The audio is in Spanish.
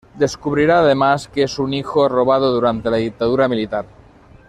Descubrirá además que es un hijo robado durante la dictadura militar.